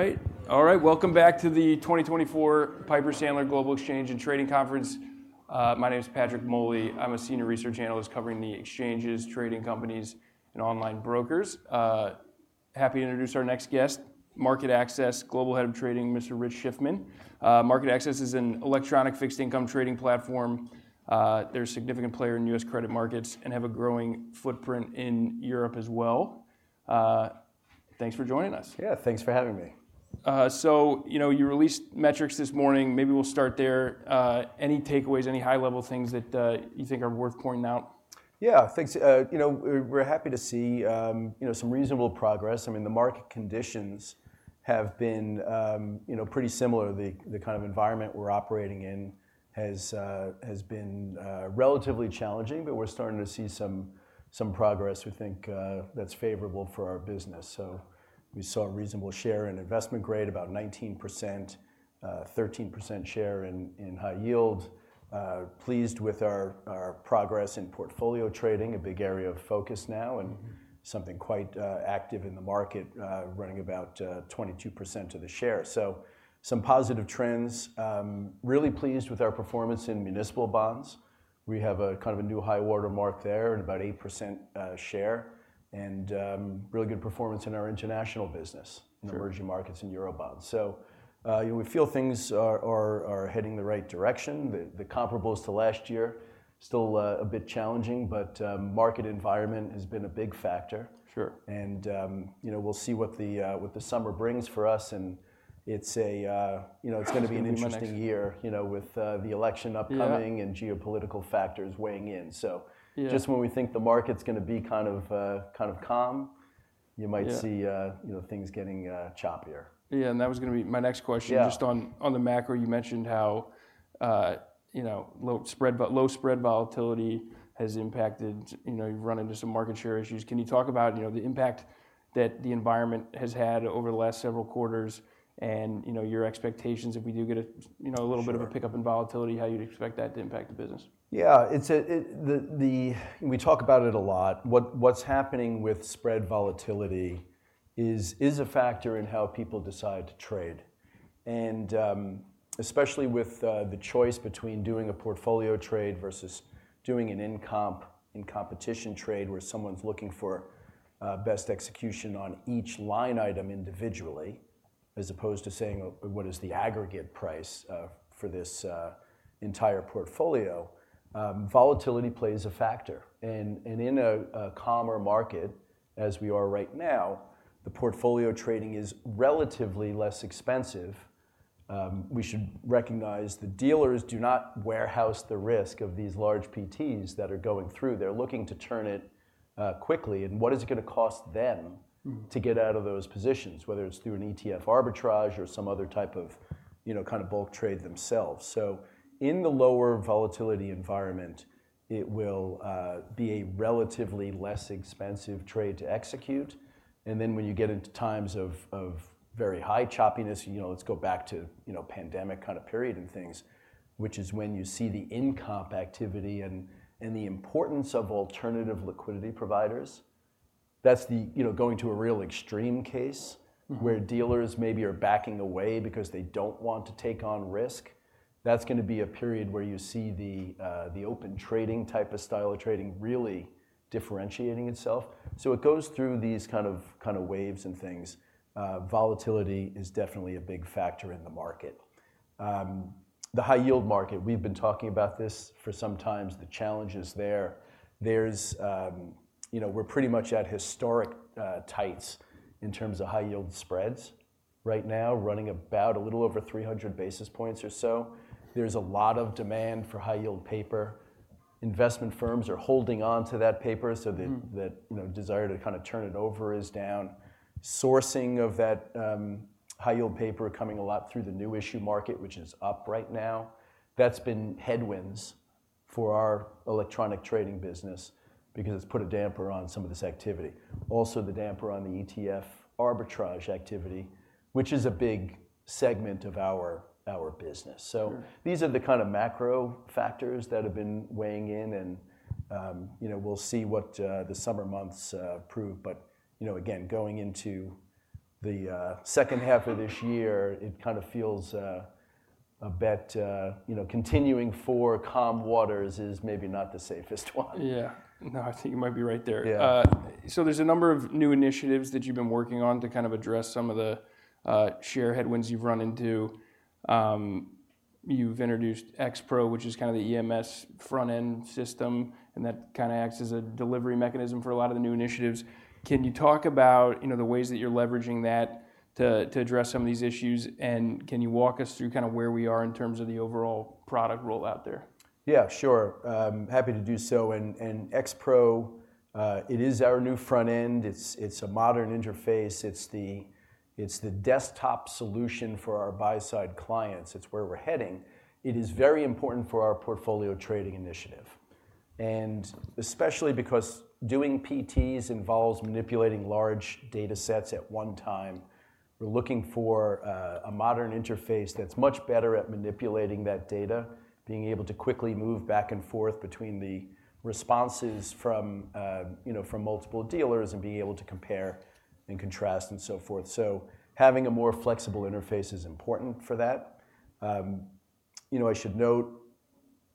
All right. All right, welcome back to the 2024 Piper Sandler Global Exchange and Trading Conference. My name is Patrick Moley. I'm a Senior Research Analyst covering the exchanges, trading companies, and online brokers. Happy to introduce our next guest, MarketAxess Global Head of Trading, Mr. Rich Schiffman. MarketAxess is an electronic fixed-income trading platform. They're a significant player in U.S. credit markets and have a growing footprint in Europe as well. Thanks for joining us. Yeah, thanks for having me. So, you know, you released metrics this morning. Maybe we'll start there. Any takeaways, any high-level things that you think are worth pointing out? Yeah, thanks, you know, we're happy to see, you know, some reasonable progress. I mean, the market conditions have been, you know, pretty similar. The kind of environment we're operating in has been relatively challenging, but we're starting to see some progress, we think, that's favorable for our business. So we saw a reasonable share in investment grade, about 19%, 13% share in high yield. Pleased with our progress in portfolio trading, a big area of focus now, and something quite active in the market, running about 22% of the share. So some positive trends. Really pleased with our performance in municipal bonds. We have kind of a new high water mark there, and about 8% share. Really good performance in our international business. Sure. In emerging markets and Eurobonds. So, we feel things are heading the right direction. The comparables to last year still a bit challenging, but market environment has been a big factor. Sure. You know, we'll see what the summer brings for us, and it's a, you know. It's gonna be interesting. It's gonna be an interesting year, you know, with the election upcoming. Yeah. And geopolitical factors weighing in, so. Yeah. Just when we think the market's gonna be kind of, kind of calm, you might see. Yeah. You know, things getting choppier. Yeah, and that was gonna be my next question. Yeah. Just on the macro, you mentioned how, you know, low spread, low spread volatility has impacted, you know, you've run into some market share issues. Can you talk about, you know, the impact that the environment has had over the last several quarters and, you know, your expectations if we do get a. Sure. You know, a little bit of a pickup in volatility, how you'd expect that to impact the business? Yeah, we talk about it a lot. What's happening with spread volatility is a factor in how people decide to trade. And especially with the choice between doing a portfolio trade versus doing an in-competition trade, where someone's looking for best execution on each line item individually, as opposed to saying, "Oh, what is the aggregate price for this entire portfolio?" Volatility plays a factor, and in a calmer market, as we are right now, the portfolio trading is relatively less expensive. We should recognize the dealers do not warehouse the risk of these large PTs that are going through. They're looking to turn it quickly, and what is it gonna cost them. Mm-hmm. To get out of those positions, whether it's through an ETF arbitrage or some other type of, you know, kind of bulk trade themselves. So in the lower volatility environment, it will be a relatively less expensive trade to execute, and then when you get into times of of very high choppiness, you know, let's go back to, you know, pandemic kind of period and things, which is when you see the in-competition activity and the importance of alternative liquidity providers. That's the, you know, going to a real extreme case. Mm-hmm. Where dealers maybe are backing away because they don't want to take on risk. That's gonna be a period where you see the, the Open Trading type of style of trading really differentiating itself. So it goes through these kind of, kind of waves and things. Volatility is definitely a big factor in the market. The high yield market, we've been talking about this for some times, the challenges there. There's, you know, we're pretty much at historic tights in terms of high yield spreads right now, running about a little over 300 basis points or so. There's a lot of demand for high yield paper. Investment firms are holding on to that paper, so the. Mm. That, you know, desire to kinda turn it over is down. Sourcing of that, high yield paper coming a lot through the new issue market, which is up right now, that's been headwinds for our electronic trading business because it's put a damper on some of this activity. Also, the damper on the ETF arbitrage activity, which is a big segment of our business. Sure. So these are the kind of macro factors that have been weighing in and, you know, we'll see what the summer months prove, but, you know, again, going into the second half of this year, it kinda feels a bit, you know, continuing for calm waters is maybe not the safest one. Yeah. No, I think you might be right there. Yeah. So, there's a number of new initiatives that you've been working on to kind of address some of the share headwinds you've run into. You've introduced X-Pro, which is kind of the EMS front-end system, and that kinda acts as a delivery mechanism for a lot of the new initiatives. Can you talk about, you know, the ways that you're leveraging that to address some of these issues, and can you walk us through kinda where we are in terms of the overall product rollout there? Yeah, sure, I'm happy to do so, and X-Pro, it is our new front end. It's a modern interface. It's the desktop solution for our buy-side clients. It's where we're heading. It is very important for our portfolio trading initiative, and especially because doing PTs involves manipulating large data sets at one time. We're looking for a modern interface that's much better at manipulating that data, being able to quickly move back and forth between the responses from you know, from multiple dealers, and being able to compare and contrast, and so forth. So having a more flexible interface is important for that. You know, I should note,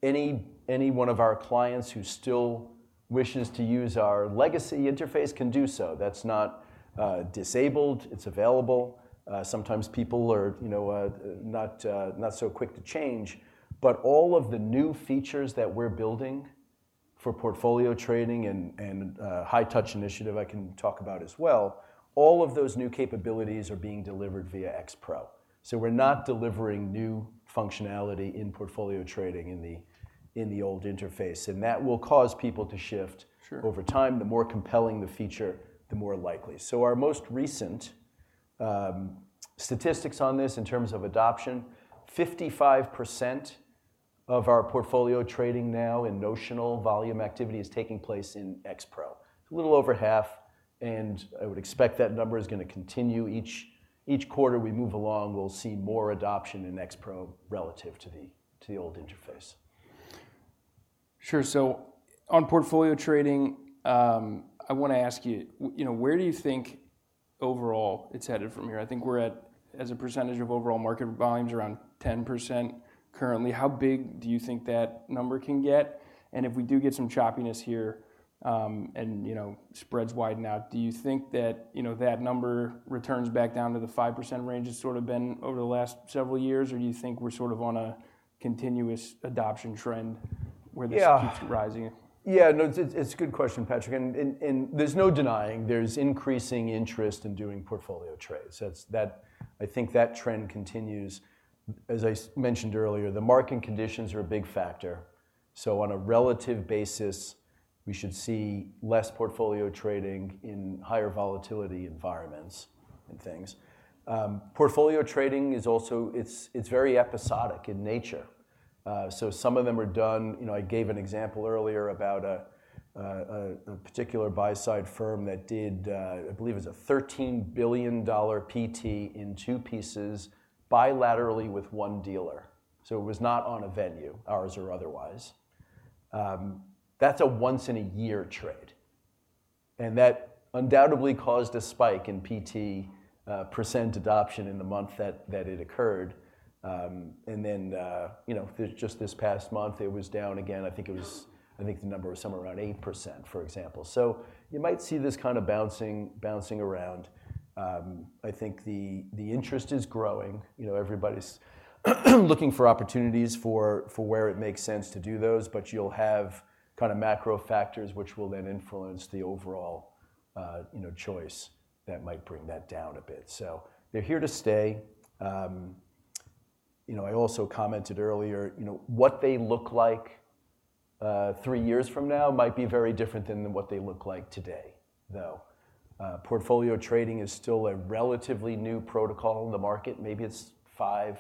any one of our clients who still wishes to use our legacy interface can do so. That's not disabled, it's available. Sometimes people are, you know, not, not so quick to change. But all of the new features that we're building for portfolio trading and, and, high touch initiative, I can talk about as well, all of those new capabilities are being delivered via X-Pro. So we're not delivering new functionality in portfolio trading in the, in the old interface, and that will cause people to shift. Sure. Over time, the more compelling the feature, the more likely. So our most recent statistics on this in terms of adoption, 55% of our portfolio trading now in notional volume activity is taking place in X-Pro. A little over half, and I would expect that number is gonna continue. Each quarter we move along, we'll see more adoption in X-Pro relative to the old interface. Sure. So on portfolio trading, I wanna ask you, you know, where do you think overall it's headed from here? I think we're at, as a percentage of overall market volumes, around 10% currently. How big do you think that number can get? And if we do get some choppiness here, and, you know, spreads widen out, do you think that, you know, that number returns back down to the 5% range it's sort of been over the last several years, or do you think we're sort of on a continuous adoption trend where this. Yeah. Keeps rising? Yeah, no, it's a good question, Patrick, and there's no denying there's increasing interest in doing portfolio trades. That's, I think that trend continues. As I mentioned earlier, the market conditions are a big factor, so on a relative basis, we should see less portfolio trading in higher volatility environments and things. Portfolio trading is also, it's very episodic in nature. So some of them are done, you know. I gave an example earlier about a particular buy-side firm that did, I believe it was a $13 billion PT in two pieces, bilaterally with one dealer, so it was not on a venue, ours or otherwise. That's a once-in-a-year trade, and that undoubtedly caused a spike in PT percent adoption in the month that it occurred. And then, you know, just this past month, it was down again. I think it was, I think the number was somewhere around 8%, for example. So you might see this kind of bouncing, bouncing around. I think the interest is growing. You know, everybody's looking for opportunities for where it makes sense to do those, but you'll have kinda macro factors, which will then influence the overall, you know, choice that might bring that down a bit. So they're here to stay. You know, I also commented earlier, you know, what they look like three years from now might be very different than what they look like today, though. Portfolio trading is still a relatively new protocol in the market. Maybe it's five,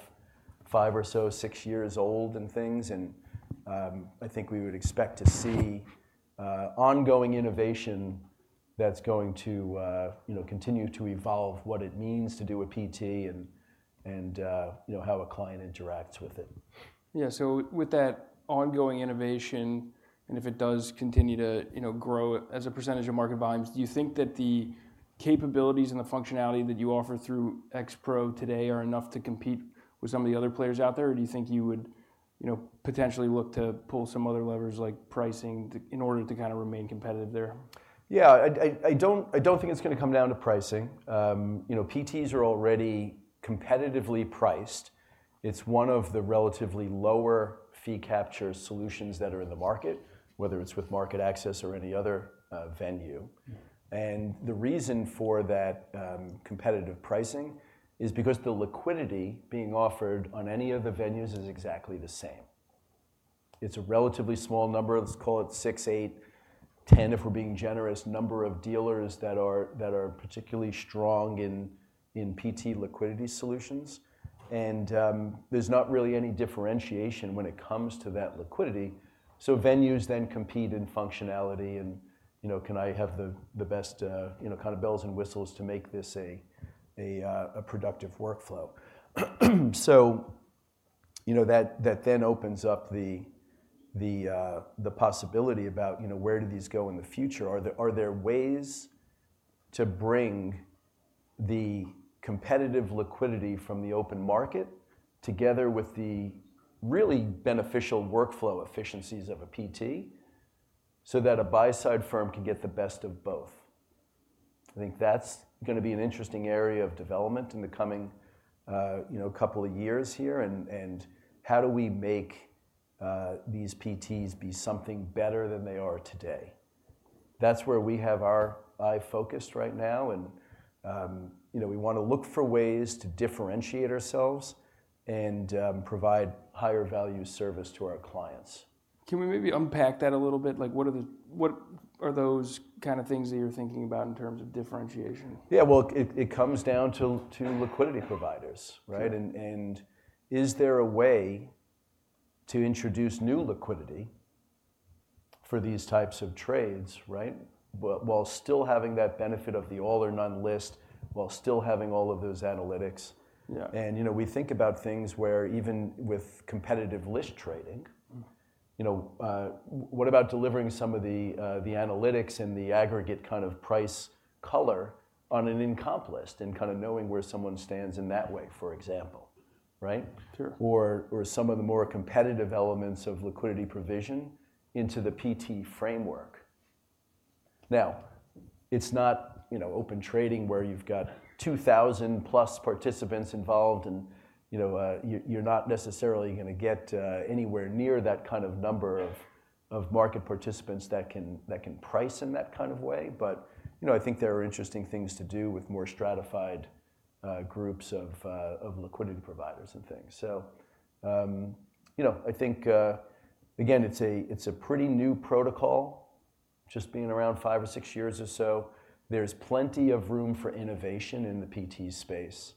five or so, six years old and things, and, I think we would expect to see ongoing innovation that's going to you know continue to evolve what it means to do a PT and, and, you know, how a client interacts with it. Yeah, so with that ongoing innovation, and if it does continue to, you know, grow as a percentage of market volumes, do you think that the capabilities and the functionality that you offer through X-Pro today are enough to compete with some of the other players out there? Or do you think you would, you know, potentially look to pull some other levers like pricing to, in order to kinda remain competitive there? Yeah, I don't think it's gonna come down to pricing. You know, PTs are already competitively priced. It's one of the relatively lower fee capture solutions that are in the market, whether it's with MarketAxess or any other venue. Mm. The reason for that, competitive pricing is because the liquidity being offered on any of the venues is exactly the same. It's a relatively small number, let's call it six, eight, 10, if we're being generous, number of dealers that are particularly strong in PT liquidity solutions. There's not really any differentiation when it comes to that liquidity. Venues then compete in functionality and, you know, can I have the best, you know, kind of bells and whistles to make this a productive workflow? You know, that then opens up the possibility about, you know, where do these go in the future? Are there ways to bring the competitive liquidity from the open market together with the really beneficial workflow efficiencies of a PT, so that a buy-side firm can get the best of both? I think that's gonna be an interesting area of development in the coming, you know, couple of years here, and how do we make these PTs be something better than they are today? That's where we have our eye focused right now, and, you know, we wanna look for ways to differentiate ourselves and provide higher value service to our clients. Can we maybe unpack that a little bit? Like, what are the, what are those kind of things that you're thinking about in terms of differentiation? Yeah, well, it comes down to liquidity providers, right? Sure. And is there a way to introduce new liquidity for these types of trades, right? But while still having that benefit of the all or none list, while still having all of those analytics. Yeah. And, you know, we think about things where even with competitive list trading. Mm. You know, what about delivering some of the, the analytics and the aggregate kind of price color on an in-comp list, and kinda knowing where someone stands in that way, for example, right? Sure. Or some of the more competitive elements of liquidity provision into the PT framework. Now, it's not, you know, Open Trading where you've got 2,000+ participants involved and, you know, you're not necessarily gonna get anywhere near that kind of number of market participants that can price in that kind of way. But, you know, I think there are interesting things to do with more stratified groups of liquidity providers and things. So, you know, I think, again, it's a pretty new protocol, just being around five or six years or so. There's plenty of room for innovation in the PT space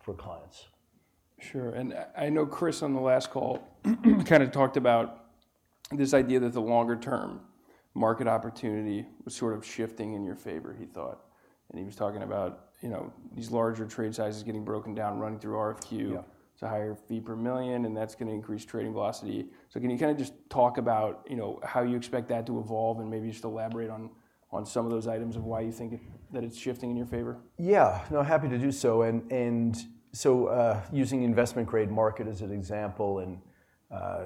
for clients. Sure. And I, I know Chris, on the last call, kinda talked about this idea that the longer term market opportunity was sort of shifting in your favor, he thought. And he was talking about, you know, these larger trade sizes getting broken down, running through RFQ. Yeah. To higher fee per million, and that's gonna increase trading velocity. So can you kinda just talk about, you know, how you expect that to evolve, and maybe just elaborate on, on some of those items of why you think it, that it's shifting in your favor? Yeah. No, happy to do so, and so, using investment grade market as an example, and,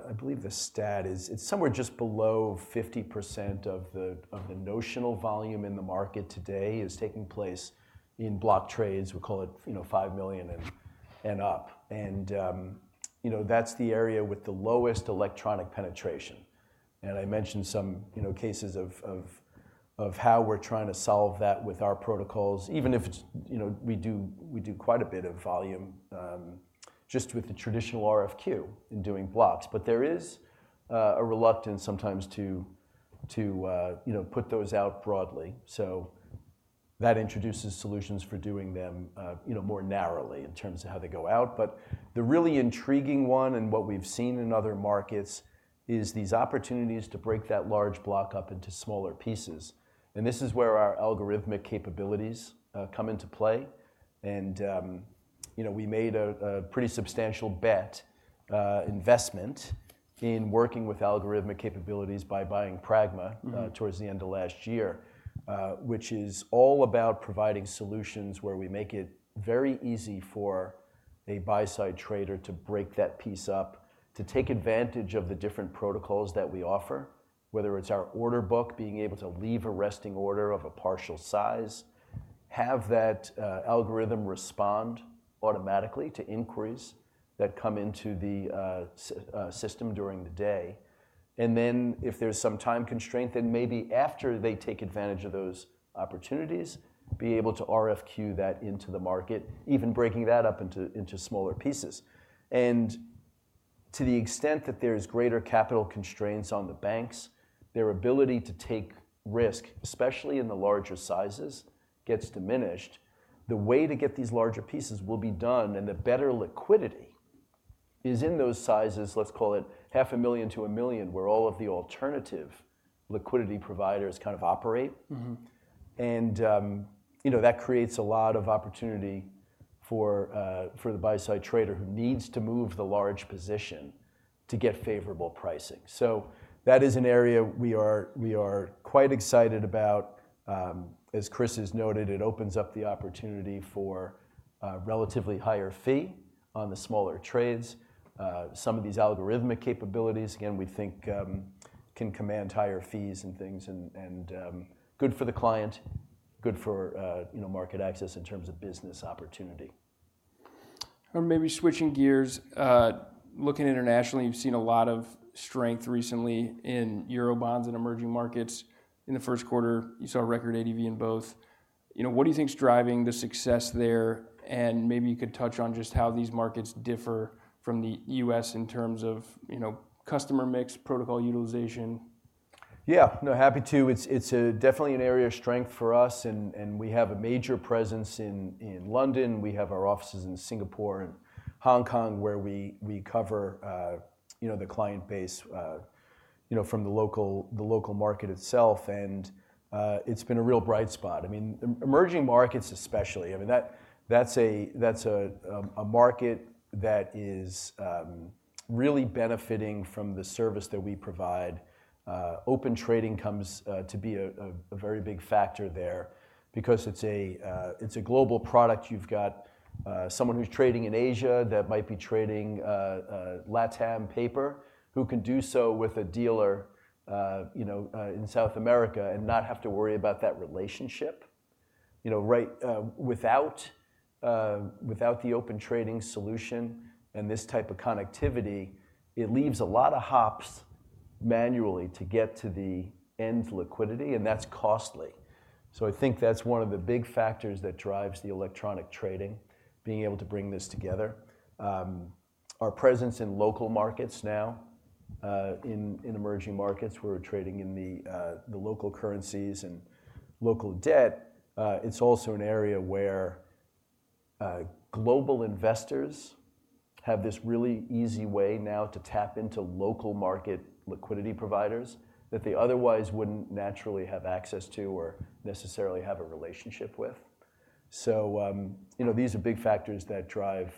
I believe the stat is, it's somewhere just below 50% of the notional volume in the market today is taking place in block trades. We call it, you know, $5 million and up. And, you know, that's the area with the lowest electronic penetration. And I mentioned some, you know, cases of how we're trying to solve that with our protocols, even if it's, you know, we do quite a bit of volume just with the traditional RFQ in doing blocks. But there is a reluctance sometimes to, you know, put those out broadly. So that introduces solutions for doing them, you know, more narrowly in terms of how they go out. But the really intriguing one, and what we've seen in other markets, is these opportunities to break that large block up into smaller pieces, and this is where our algorithmic capabilities come into play. And, you know, we made a pretty substantial bet, investment in working with algorithmic capabilities by buying Pragma. Mm-hmm. Towards the end of last year. Which is all about providing solutions where we make it very easy for a buy-side trader to break that piece up, to take advantage of the different protocols that we offer, whether it's our order book, being able to leave a resting order of a partial size, have that algorithm respond automatically to inquiries that come into the system during the day. And then, if there's some time constraint, then maybe after they take advantage of those opportunities, be able to RFQ that into the market, even breaking that up into, into smaller pieces. And to the extent that there's greater capital constraints on the banks, their ability to take risk, especially in the larger sizes, gets diminished. The way to get these larger pieces will be done, and the better liquidity is in those sizes, let's call it $500,000-$1,000,000, where all of the alternative liquidity providers kind of operate. Mm-hmm. You know, that creates a lot of opportunity for the buy-side trader who needs to move the large position to get favorable pricing. So that is an area we are, we are quite excited about. As Chris has noted, it opens up the opportunity for a relatively higher fee on the smaller trades. Some of these algorithmic capabilities, again, we think, can command higher fees and things and, and, good for the client, good for, you know, MarketAxess in terms of business opportunity. And maybe switching gears, looking internationally, you've seen a lot of strength recently in Eurobonds and emerging markets. In the first quarter, you saw a record ADV in both. You know, what do you think is driving the success there? And maybe you could touch on just how these markets differ from the U.S. in terms of, you know, customer mix, protocol utilization. Yeah. No, happy to. It's definitely an area of strength for us, and we have a major presence in London. We have our offices in Singapore and Hong Kong, where we cover you know the client base you know from the local market itself, and it's been a real bright spot. I mean, emerging markets especially, I mean, that's a market that is really benefiting from the service that we provide. Open Trading comes to be a very big factor there because it's a global product. You've got someone who's trading in Asia that might be trading LatAm paper, who can do so with a dealer you know in South America, and not have to worry about that relationship. You know, right, without the Open Trading solution and this type of connectivity, it leaves a lot of hops manually to get to the end liquidity, and that's costly. So I think that's one of the big factors that drives the electronic trading, being able to bring this together. Our presence in local markets now, in emerging markets, we're trading in the local currencies and local debt. It's also an area where global investors have this really easy way now to tap into local market liquidity providers that they otherwise wouldn't naturally have access to or necessarily have a relationship with. So, you know, these are big factors that drive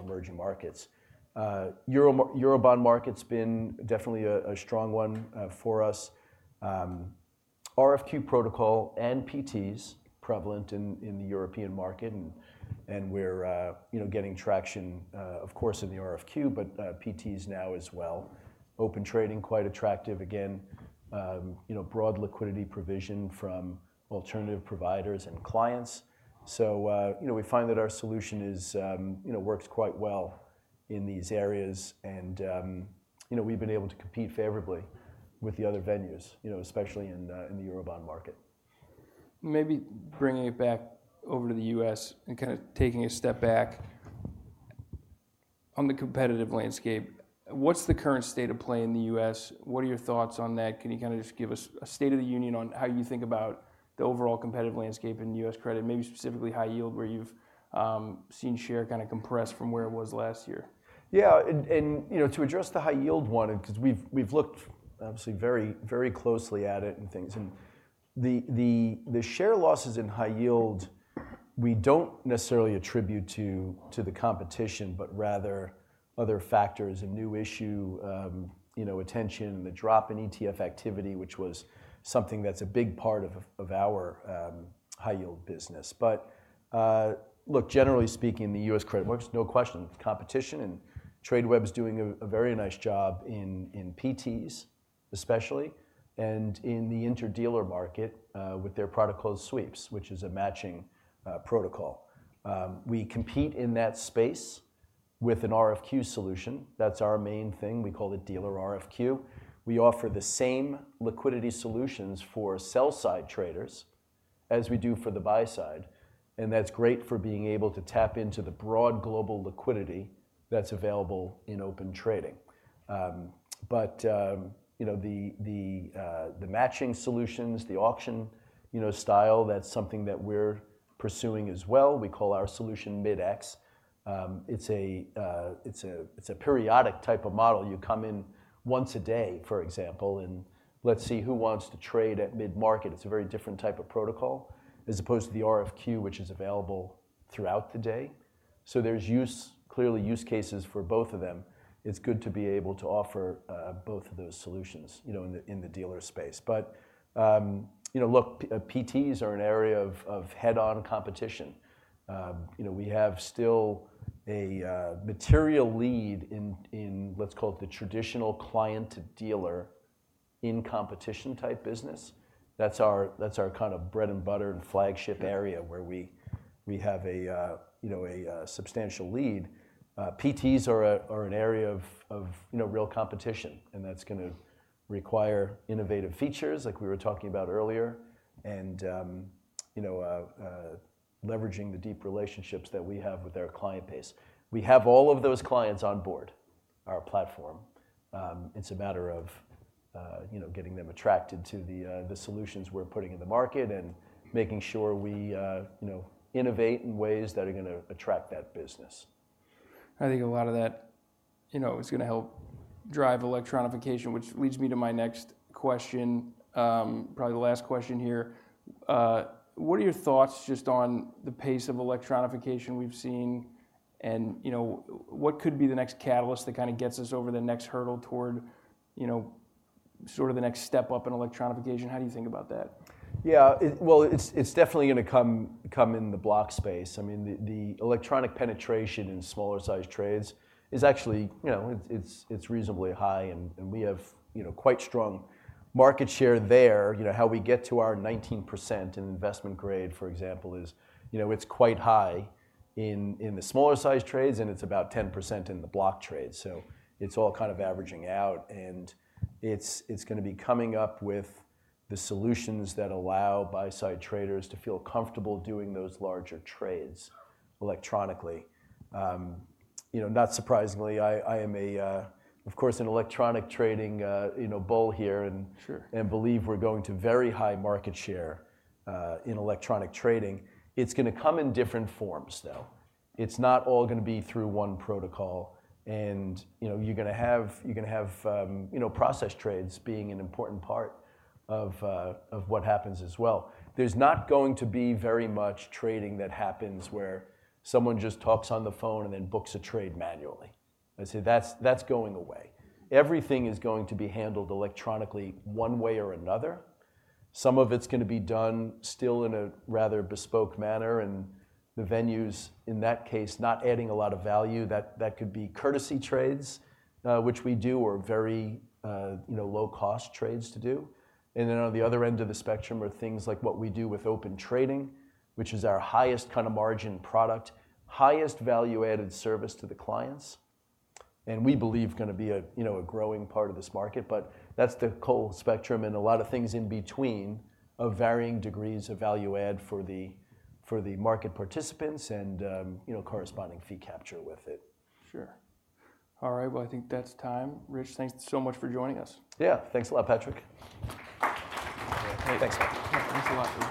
emerging markets. Eurobond market's been definitely a strong one, for us. RFQ protocol and PTs, prevalent in the European market, and we're, you know, getting traction, of course, in the RFQ, but PTs now as well. Open Trading, quite attractive again. You know, broad liquidity provision from alternative providers and clients. So, you know, we find that our solution is, you know, works quite well in these areas, and, you know, we've been able to compete favorably with the other venues, you know, especially in the Eurobond market. Maybe bringing it back over to the U.S. and kinda taking a step back, on the competitive landscape, what's the current state of play in the U.S.? What are your thoughts on that? Can you kinda just give us a state of the union on how you think about the overall competitive landscape in U.S. credit, maybe specifically high yield, where you've seen share kinda compressed from where it was last year? Yeah, you know, to address the high yield one, 'cause we've looked obviously, very, very closely at it and the share losses in high yield, we don't necessarily attribute to the competition, but rather other factors and new issue, you know, attention, the drop in ETF activity, which was something that's a big part of our high yield business. But look, generally speaking, the U.S. credit markets, no question, competition and Tradeweb is doing a very nice job in PTs, especially, and in the interdealer market with their product called Sweeps, which is a matching protocol. We compete in that space with an RFQ solution. That's our main thing. We call it Dealer RFQ. We offer the same liquidity solutions for sell-side traders as we do for the buy-side, and that's great for being able to tap into the broad global liquidity that's available in Open Trading. But you know, the matching solutions, the auction style, that's something that we're pursuing as well. We call our solution Mid-X. It's a periodic type of model. You come in once a day, for example, and let's see who wants to trade at mid-market. It's a very different type of protocol, as opposed to the RFQ, which is available throughout the day. So there's clearly use cases for both of them. It's good to be able to offer both of those solutions, you know, in the dealer space. But, you know, look, PTs are an area of head-on competition. You know, we have still a material lead in, let's call it the traditional client to dealer in competition type business. That's our kind of bread-and-butter and flagship area. Yeah. Where we have a, you know, a substantial lead. PTs are an area of, you know, real competition, and that's gonna require innovative features like we were talking about earlier, and, you know, leveraging the deep relationships that we have with our client base. We have all of those clients on board our platform. It's a matter of, you know, getting them attracted to the solutions we're putting in the market and making sure we, you know, innovate in ways that are gonna attract that business. I think a lot of that, you know, is gonna help drive electronification, which leads me to my next question, probably the last question here. What are your thoughts just on the pace of electronification we've seen, and, you know, what could be the next catalyst that kinda gets us over the next hurdle toward, you know, sort of the next step up in electronification? How do you think about that? Yeah, well, it's definitely gonna come in the block space. I mean, the electronic penetration in smaller-sized trades is actually, you know, it's reasonably high and we have, you know, quite strong market share there. You know, how we get to our 19% in investment grade, for example, is, you know, it's quite high in the smaller-sized trades, and it's about 10% in the block trade. So it's all kind of averaging out, and it's gonna be coming up with the solutions that allow buy-side traders to feel comfortable doing those larger trades electronically. You know, not surprisingly, I am, of course, an electronic trading, you know, bull here and. Sure. And believe we're going to very high market share in electronic trading. It's gonna come in different forms, though. It's not all gonna be through one protocol and, you know, you're gonna have, you know, process trades being an important part of what happens as well. There's not going to be very much trading that happens where someone just talks on the phone and then books a trade manually. I'd say that's going away. Everything is going to be handled electronically, one way or another. Some of it's gonna be done still in a rather bespoke manner, and the venues, in that case, not adding a lot of value, that could be courtesy trades, which we do, or very, you know, low-cost trades to do. And then on the other end of the spectrum are things like what we do with Open Trading, which is our highest kind of margin product, highest value-added service to the clients, and we believe gonna be a, you know, a growing part of this market. But that's the whole spectrum and a lot of things in between, of varying degrees of value add for the market participants and, you know, corresponding fee capture with it. Sure. All right, well, I think that's time. Rich, thanks so much for joining us. Yeah, thanks a lot, Patrick. Yeah. Thanks. Yeah. Thanks a lot.